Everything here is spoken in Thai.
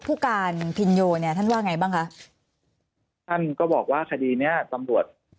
ผู้การพินโยเนี่ยท่านว่าไงบ้างคะท่านก็บอกว่าคดีเนี้ยตำรวจ